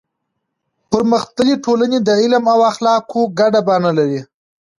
پرمختللې ټولنه د علم او اخلاقو ګډه بڼه لري.